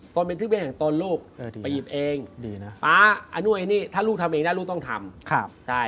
ตนเป็นที่พึ่งแห่งตนลูกไปหยิบเองป๊าอันนั้นอันนี้ถ้าลูกทำเองได้ลูกต้องทำ